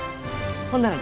ほんなら。